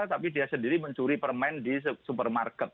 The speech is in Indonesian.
tapi dia sendiri mencuri permen di supermarket